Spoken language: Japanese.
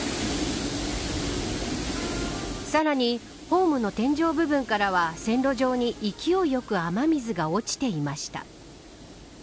さらに、ホームの天井部分からは線路上に勢いよく雨水が落ちていました。